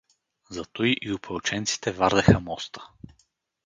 Затуй и опълченците вардеха моста.